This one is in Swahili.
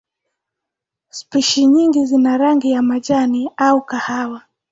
Spishi nyingine zina rangi ya majani au kahawa.